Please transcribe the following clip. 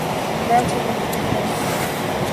ایران سے تو دشمنی ہے۔